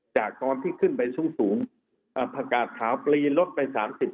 จากตอนที่ขึ้นไปสูงผักกาดขาวปลีลดไป๓๐